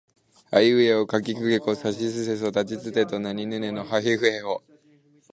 あいうえおかきくけこさしすせそたちつてとなにぬねのはひふへほ